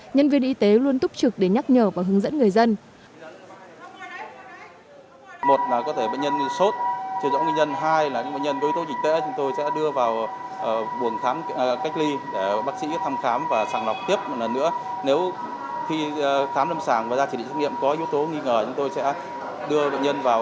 nhân viên y tế luôn túc trực để nhắc nhở và hướng dẫn người dân